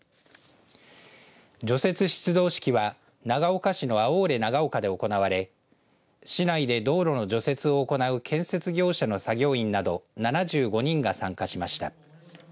除雪出動式は長岡市のアオーレ長岡で行われ市内で道路の除雪を行う建設業者の作業員など７５人が参加しました。